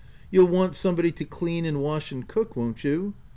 " You'll wan't somebody to clean and wash, and cook, won't you